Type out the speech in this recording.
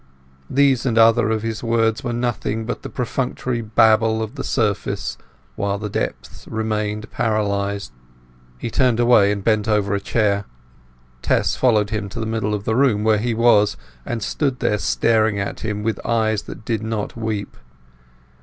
These and other of his words were nothing but the perfunctory babble of the surface while the depths remained paralyzed. He turned away, and bent over a chair. Tess followed him to the middle of the room, where he was, and stood there staring at him with eyes that did not weep.